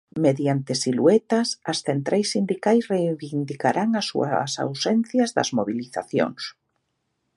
Mediante siluetas, as centrais sindicais reivindicarán as súas ausencias das mobilizacións.